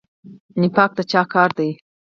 نفاق د چا کار دی؟